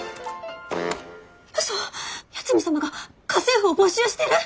ウソ八海サマが家政婦を募集してる！？